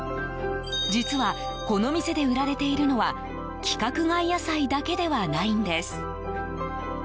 実は、この店で売られているのは規格外野菜だけではないんです。